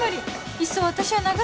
いっそ私を殴って